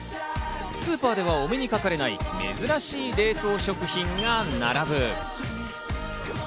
スーパーではお目にかかれない珍しい冷凍食品が並ぶ。